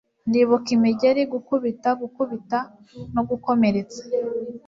ndibuka imigeri, gukubita, gukubita, no gukomeretsa